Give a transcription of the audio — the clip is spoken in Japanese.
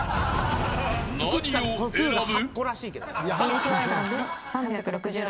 何を選ぶ。